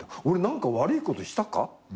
俺何か悪いことしたか？